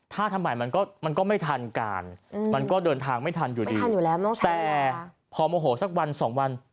ถ้าทำไมมันก็ไม่ทันการมันก็เดินทางไม่ทันอยู่ดีแต่พอโมโหสักวันสองวัน